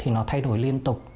thì nó thay đổi liên tục